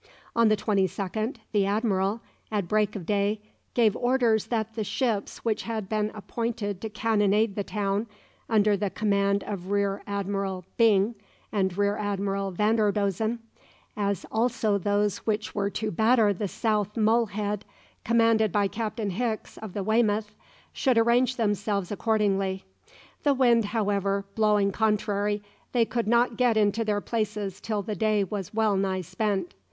On the 22nd, the admiral, at break of day, gave orders that the ships which had been appointed to cannonade the town, under the command of Rear Admiral Byng and Rear Admiral Vanderdosen, as also those which were to batter the South Mole Head, commanded by Captain Hicks of the "Weymouth," should arrange themselves accordingly. The wind, however, blowing contrary, they could not get into their places till the day was well nigh spent.